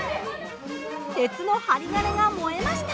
鉄の針金が燃えました。